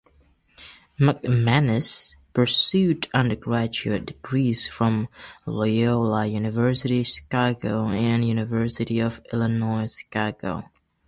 McManus pursued undergraduate degrees from Loyola University Chicago and University of Illinois Chicago.